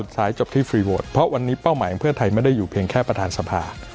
ซ้ายจบที่ฟรีโหวตเพราะวันนี้เป้าหมายของเพื่อไทยไม่ได้อยู่เพียงแค่ประธานสภา